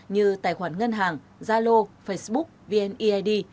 như tài khoản ngân hàng zalo facebook vneid